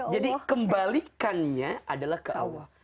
jadi kembalikannya adalah ke allah